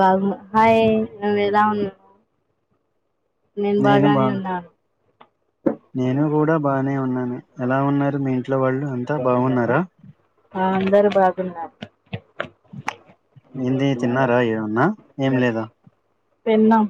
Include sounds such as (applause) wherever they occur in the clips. బాగు హాయ్ నువ్వు ఎలా ఉన్నా నేను బాగానే ఉన్నా నేను కూడా బానే ఉన్నాను ఎలా ఉన్నారు మీ ఇంట్లో వాళ్ళు అంతా బావున్నారా ఆ అందరు బాగున్నారు ఏంది తిన్నారా ఏమన్నా ఏం లేదా తిన్నాం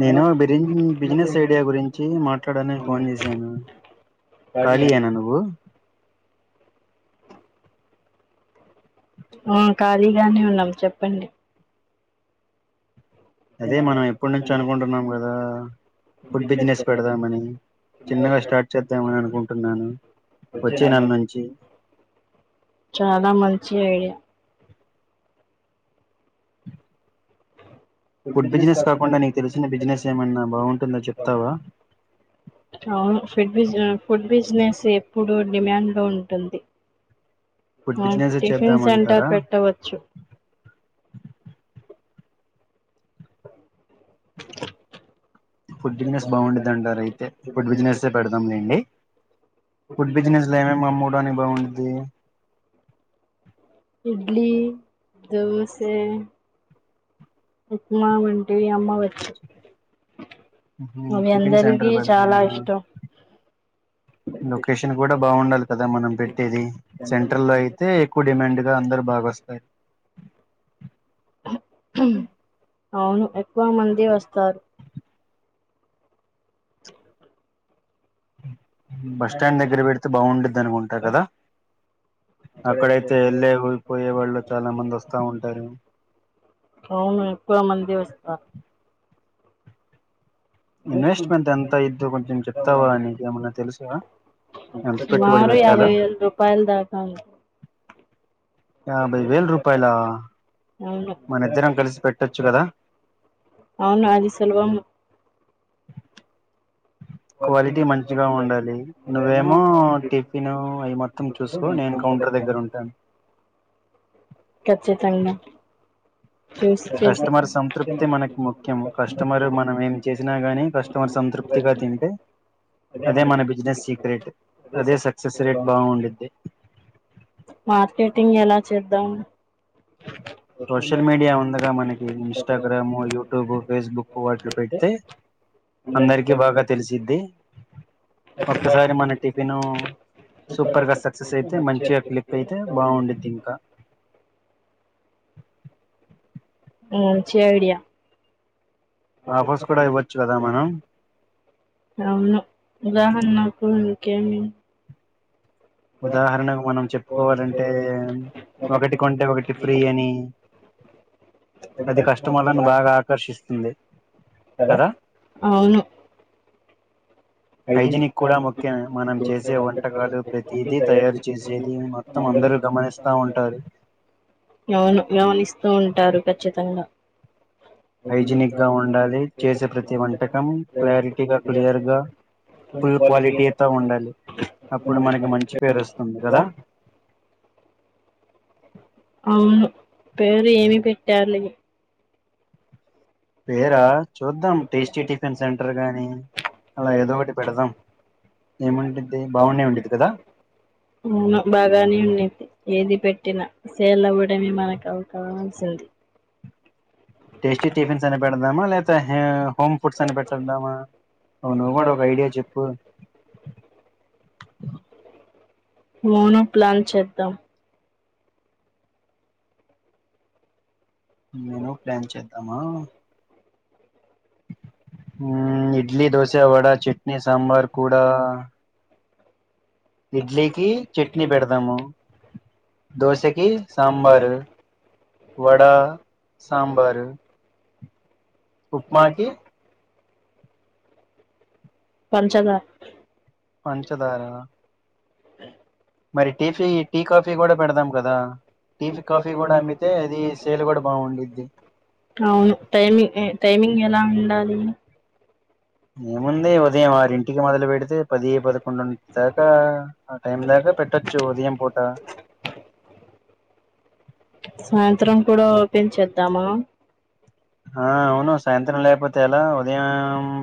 నేను బరిన్ బిజినెస్ ఐడియా గురించి మాట్లాడనికి ఫోన్ చేశాను ఖాళీ ఏనా నువ్వు ఆ ఖాళీగానే ఉన్నాం చెప్పండి అదే మనం ఎప్పుటి నుంచో అనుకుంటున్నాం కదా ఫుడ్ బిజినెస్ పెడదామని చిన్నగా స్టార్ట్ చేద్దామని అనుకుంటున్నాను వచ్చే నెల నుంచి చాలా మంచి ఐడియా ఫుడ్ బిజినెస్ కాకుండా నీకు తెలిసిన బిజినెస్ ఏమన్నా బాగుంటుందో చెప్తావా అవును ఫుడ్ బజ ఫుడ్ బిజినెస్ ఎప్పుడు డిమాండ్ ఉంటుంది మా టిఫిన్ సెంటర్ పెట్టవచ్చు ఫుడ్ బిజినెస్ బాగుంటుందంటారు అయితే ఫుడ్ బిజినెస్ పెడదాం లేండి ఫుడ్ బిజినెస్ లో ఏమే మా మూడానికి బాగుంటది ఇడ్లీ దోసే ఉప్మా వంటవి అమ్మ వచ్చు ఉ టిఫన్ సెంటర్ పెడదామా లొకేషన్ కూడా బాగుండాలి కదా మనం పెట్టేది సెంట్ర లో అయితే ఎక్కువ డిమాండ్ గా అందరు బాగా (unintelligible) అవును ఎక్కువ మంది వస్తారు బస్ స్టాండ్ దగ్గర పెడితే బాగుండది అనుకుంటారు కదా అక్కడైతే వెళ్ళే వాళ్లు పోయే వాళ్ళు చాలా మంది వస్తా ఉంటారు అవును ఎక్కువమంది వస్తారు ఇన్వెస్ట్మెంట్ ఎంత అయిద్దో కొంచెం చెప్తావా అని నీకు ఏమన్నా తెలుసా మారు యాభై వేల రూపాయలు దాకాల యాభై వేల రూపాయలా మని ఇద్దరం కలిసి పెట్టచ్చు కదా అవును అది సులభము క్వాలిటీ మంచిగా ఉండాలి నువ్వేమో టిఫిన్ అవి మొత్తం చూసుకో నేను కౌంటర్ దగ్గర ఉంటాను కచ్చితంగా కస్టమర్ సంతృప్తి మనకి ముఖ్యం కస్టమర్ మనం ఏం చేసినా గాని కస్టమర్ సంతృప్తి ప్తితింటే అదే మన బిజినెస్ సీక్రెట్ అదే సక్సెస్ రేట్ బావుండిద్ది మార్కెటింగ్ ఎలా చేద్దాం సోషల్ మీడియా ఉందగా మనకి ఇన్స్టాగ్రామ్ యూట్యూబు ఫేస్బుక్ వాటిలో పెడితే అందరికి బాగా తెలిసిద్ది ఒక్కసారి మన టిఫిన్ సూపర్గా సక్సెస్ అయితే మంచిగా క్లిక్ అయితే బావుండిద్ది ఇంక మంచి ఐడియా అవును ఉదాహరణకు ఇంకేమీ ఉదాహరణగా మనం చెప్పుకోవాలంటే ఒకటి కొంటే ఒకటి ఫ్రీ అని అది కష్టమర్లను బాగా ఆకర్షిస్తుంది కద అవును హైజినిక్ కూడా ముఖ్యమే మనం చేసే వంటకాలు ప్రతిదీ తయారు చేసేది మొత్తం అందరూ గమనిస్తా ఉంటారు అవును, గమనిస్తూ ఉంటారు. ఖచ్చితంగా హైజీనిక్ గా ఉండాలి. చేసే ప్రతి వంటకం క్లారిటీగా క్లియర్గా ఫుల్ క్వాలిటీతో ఉండాలి. అప్పుడు మనకి మంచి పేరు వస్తుంది గదా. టార్ ర్లి పేరా చూద్దాం. టేస్టీ టిఫిన్ సెంటర్ గాని అలా ఏదో ఒకటి పెడదాం. ఏముండుది బాగుండే ఉండేది. గదా! అవును బాగానే ఉండుది. ఏది పెట్ట పట్టిన సేల్ అవ్వడమే, మనకు అవకావావాల్సింది. టేస్టీ టిఫిన్స్ అని పెడదామా, లేతే హోమ్ ఫుడ్స్ అని పెట్టదామా. అవును, నువ్వు గూడా, ఒక ఐడియా చెప్పు. మోనో ప్లాన్ చేద్దాం. మోనో ప్లాన్ చేద్దామా. ఉ ఇడ్లీ, దోశ, వడా, చట్నీ సాంబార్ కూడా ఇడ్లీకి చట్నీ పెడదాము. దోశకి సాంబారు. వడా సాంబర్ ఉప్మాకి పంచదార పంచదార అ మరి టి, కాఫీ కూడా టి కాఫీ కూడా పెడితే బిజీన్స్ స్ట్ ల్ కూడా బాగుంటుంది. అవును, టైమింగ్ టైమింగ్ ఎలా ఉండాలి. ఏముంది. ఉదయం ఆరింటికి, మొదలు పెడితే పది పదకొండు దాకా ఆ టైం దాకా పెట్టోచ్చు. ఉదయం పూట టిఫిన్ చేద్దామా. ఆ అవును, సాయంత్రం లేపోతే ఎలా, ఉదయం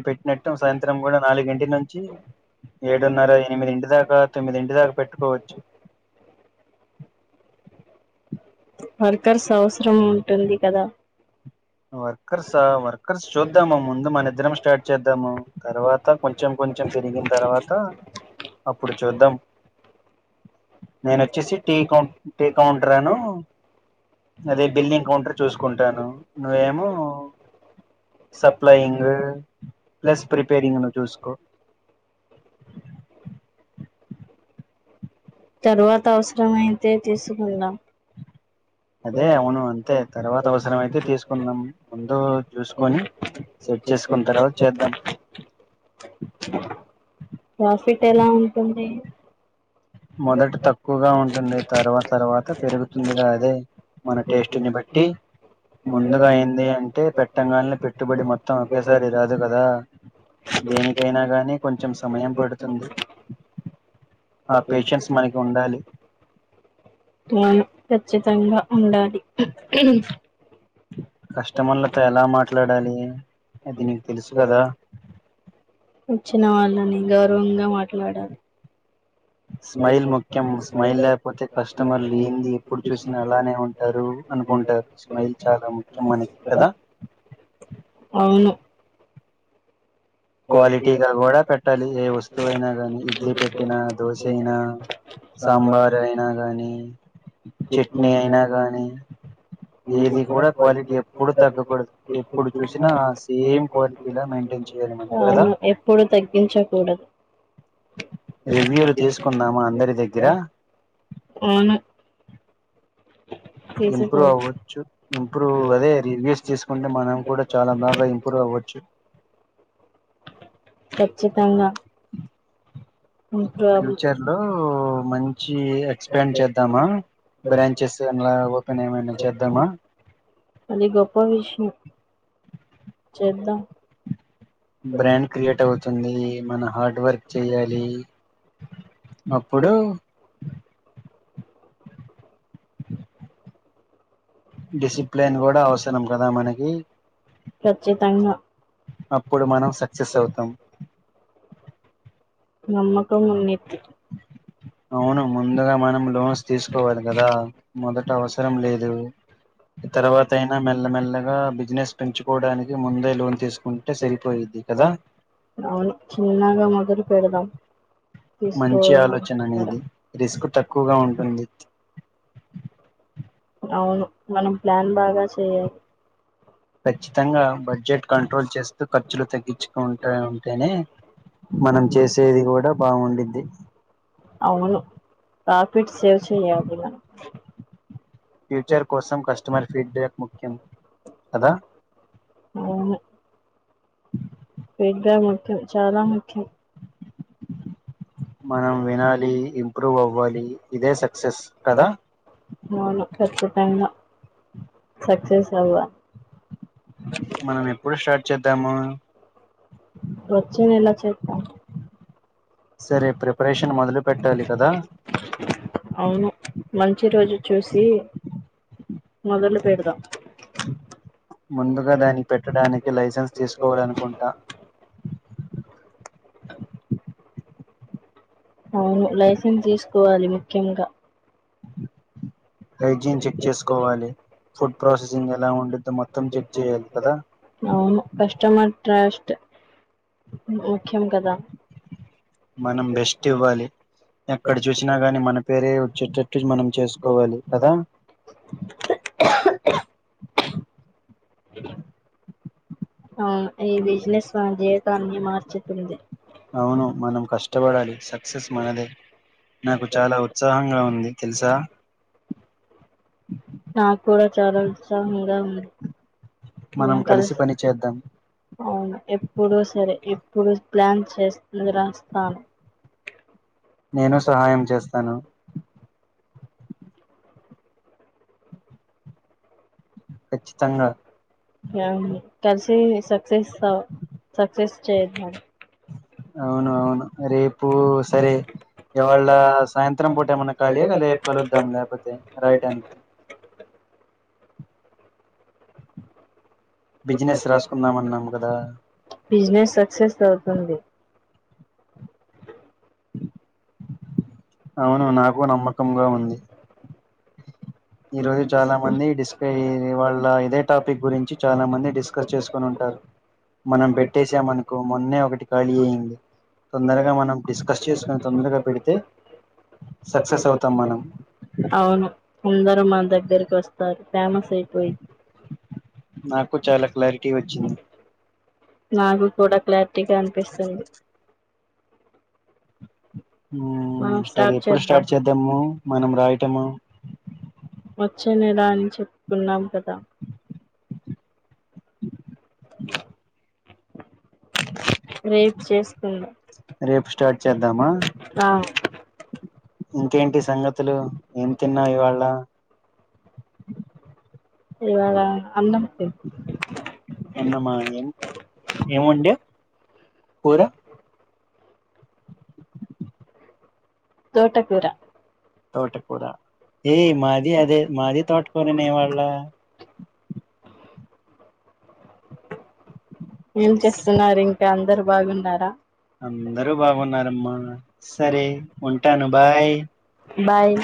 పెట్టినట్టు సాయంత్రం కూడా నాలుగు, ఇంటి నుంచి ఏడున్నర ఎనిమిది ఇంటి దాకా తొమ్మిది ఇంటి దాకా పెట్టుకోవచ్చు. వర్కర్స్ అవసరం ఉంటుంది. కదా! వర్కర్స్ వర్కర్స్ చూద్దాము, ముందు మనిద్దరం స్టార్ట్ చేద్దాము. తర్వాత కొంచెం కొంచెం పెరిగిన తర్వాత అప్పుడు చూద్దాం. నేను వచ్చేసి, టీ కౌ టీ కౌంట్రాను అదే బిల్లింగ్ కౌంటర్ చూసుకుంటాను. నువ్వేమో సప్లయింగ్ ప్లస్ ప్రిపేరింగ్ ను చూసుకో. తర్వాత అవసరం అయితే తీసుకుందాం. అదే అవును అంతే తర్వాత అవసరం అయితే తీసుకుందాం. ముందు చూసుకొని సె చేసుకున్న తరవాత చేద్దాం. ప్రాఫిట్ ఎలా ఉంటుంది? మొదట తక్కువగా ఉంటుంది. తరువాత తర్వాత పెరుగుతుంది. గా అదే మన టేస్ట్ ని బట్టి ముందుగా ఏంది. అంటే పెట్టంగాల్నే, పెట్టుబడి మొత్తం ఒకేసారి రాదు గదా! దేనికైనా గానీ, కొంచెం సమయం పడుతుంది. క్లా చ్చితంగా ఉండాలి. కష్టమర్లతో ఎలా మాట్లాడాలి. అది నీకు తెలుసు గదా! వచ్చిన వాళ్ళని గౌరవంగా మాట్లాడాలి స్మైల్ ముఖ్యం స్మైల్ లేకపోతే కస్టమర్లు ఏంది ఎప్పుడు చూసినా అలానే ఉంటారు అనుకుంటారు. స్మైల్ చాలా ముఖ్యం మని కదా! అవును క్వాలిటీగా గూడా పెట్టాలి. ఏ వస్తువు అయినా గానీ ఇడ్లీ పెట్టినా, దోశ అయినా సాంబార్ అయినా గానీ చట్నీ అయినా గానీ ఏది కూడా క్వాలిటీ ఎప్పుడు తగ్గకూడదు ఎప్పుడు చూసినా ఆ సేమ్ క్వాలిటీ లా మెయింటై ని చేయాలి మనం అవును ఎప్పుడు తగ్గించకూడ అవును ఇంప్రూవ్ అవ్వచ్చు ఇంప్రూవ్ అదే రివ్యూస్ తీసుకుంటే మనం కూడా చాలా బాగా ఇంప్రూవ్ అవ్వచ్చు ఖచ్చితంగా ఫ్యూచర్ లో మంచి ఎక్స్పాండ్ చేద్దామా బ్రాంచెస్ అన్లా ఓపెన్ ఏమైనా చేద్దామా అది గొప్ప విషయం చేద్దాం బ్రాండ్ క్రియేట్ అవుతుంది మన హార్డ్ వర్క్ చేయాలి అప్పుడు ఖచ్చితంగా అప్పుడు మనం సక్సెస్ అవుతాం నమ్మకం ఉన్నిద్ది అవును ముందుగా మనం లోన్స్ తీసుకోవాలి కదా మొదట అవసరం లేదు తర్వాత అయినా మెల్లమెల్లగా బిజినెస్ పెంచుకోవడానికి ముందే లోన్ తీసుకుంటే సరిపోయిద్ది కదా అవును చిన్నగా మొదలు పెడదాం మంచి ఆలోచన అనేది రిస్క్ తక్కువగా ఉంటుంది అవును మనం ప్లాన్ బాగా చెయ్యా ఖచ్చితంగా బడ్జెట్ కంట్రోల్ చేస్తూ ఖర్చులు తగ్గించుకుంటా ఉంటేనే మనం చేసేది కూడా బాగుండిది అవును ప్రాఫిట్ సేవ్ చెయ్యాలి నా ఫ్యూచర్ కోసం కస్టమర్ ఫీడ్ బ్యాక్ ముఖ్యం కదా అవును పెద్ద ముఖ్యం చాలా ముఖ్యం మనం వినాలి ఇంప్రూవ్ అవ్వాలి ఇదే సక్సెస్ కదా అవును కచ్చితంగా సక్సెస్ అవ్వ మనం ఎప్పుడు స్టార్ట్ చేద్దాము వచ్చే నెల చేద్దాం అవును మంచి రోజు చూసి మొదలు పెడదాం ముందుగా దాన్ని పెట్టడానికి లైసెన్స్ తీసుకోవాలనుకుంటా అవును లైసెన్స్ తీసుకోవాలి ముఖ్యంగా అడ్జస్ట్ చేసుకోవాలి అవును కస్టమర్ ట్రస్ట్ ముఖ్యం కదా మనం బెస్ట్ ఇవ్వాలి ఎక్కడ చూసినా గాని మన పేరే వచ్చేటట్టు మనం చేసుకోవాలి కదా ఆ ఈ బిజినెస్ మన జీవితాన్ని మార్చుతుంది అవును మనం కష్టపడాలి సక్సెస్ మనదే నాకు చాలా ఉత్సాహంగా ఉంది తెలుసా నాకు కూడా చాలా ఉత్సాహంగా ఉంది మనం కలిసి అవును ఎప్పుడు సరే ఎప్ ముందు ప్లాన్ చేసింది రాస్తాను నేను సహాయం చేస్తాను యా ఆ కలిసి సక్సెస్ సక్సెస్ హౌ చేద్దాం అవును అవును రేపు సరే ఎవాళ సాయంత్రం పూట ఏమన్నా ఖాళీ లేక రేపు కలుద్దాం లేకపోతే రాయటానికి బిజినెస్ సక్సెస్ అవుతుంది అవును నాకు నమ్మకముగా ఉంది ఈ రోజు చాలా మంది డిస్క వాళ్ళ ఇదే టాపిక్ గురించి చాలా మంది డిస్కస్ చేసుకొని ఉంటారు మనం పెట్టేసమనుకో మొన్నే ఒకటి ఖాళీ అయ్యింది తొందరగా మనం డిస్కస్ చేసుకొని తొందరగా పెడితే సక్సెస్ అవుతాం మనం అందరూ మాన దగ్గరకి వస్తారు ఫేమస్ అయిపోయి నాకు చాలా క్లారిటీ వచ్చింది నాకు కూడా క్లారిటీగా అనిపిస్తుంది ఉ సరే ఎప్పుడు స్టార్ట్ చేద్దాము మనం రాయటము వచ్చే నెల అని చెప్పుకున్నాం కదా రేపు స్టార్ట్ చేద్దామా ఇంకేంటి సంగతులు ఏం తిన్నావ్ ఇవ్వాలా ఇవ్వాలా అన్నం తిన్న అన్నము ఆయే ఏముండవు కూర తోటకూర తోట కూడా ఏయ మాది అదే మాది తోటకోని న వాళ ఏం చేస్తున్నారు ఇంకా అందరు బాగున్నారా అందరూ బాగున్నారమ్మా సరే ఉంటాను బాయ్ బాయ్